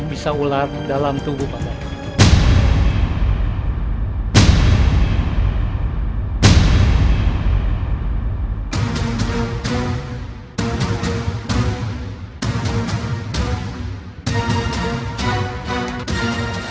bisa ular dalam tubuh pak dharma